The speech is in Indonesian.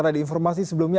ada informasi sebelumnya